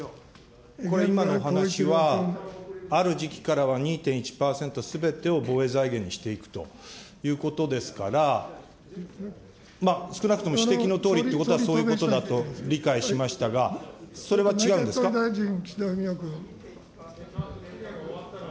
今のお話は、ある時期からすべてを防衛財源にしていくということですから、少なくとも指摘のとおりということは、そういうことだと理解しましたが、それは違内閣総理大臣、岸田文雄君。